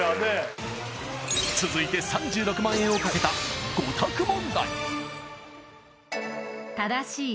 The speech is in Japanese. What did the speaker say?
続いて３６万円をかけた５択問題